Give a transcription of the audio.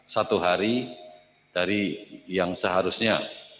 satu hari dari yang seharusnya